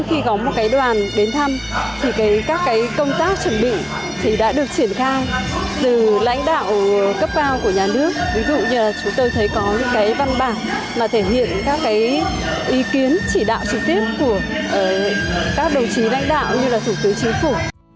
ví dụ như là chúng tôi thấy có những văn bản thể hiện các ý kiến chỉ đạo trực tiếp của các đồng chí lãnh đạo như là thủ tướng chính phủ